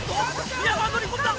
宮川乗り込んだ！